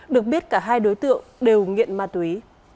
được biết cả hai đối tượng đều nghiện ma túy